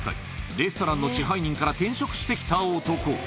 レストランの支配人から転職してきた男。